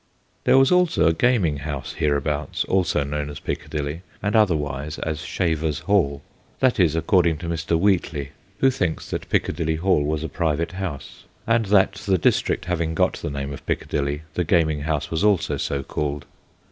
There was also a gaming house hereabouts also known as Piccadilly, and otherwise as Shaver's Hall. That is, according to Mr. Wheatley, who thinks that Piccadilly Hall 4 THE GHOSTS OF PICCADILLY was a private house, and that, the district having got the name of Piccadilly, the gaming house was also so called.